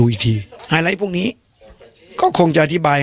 รีสมินทรีย์